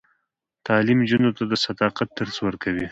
تعلیم نجونو ته د صداقت درس ورکوي.